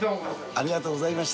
ありがとうございます。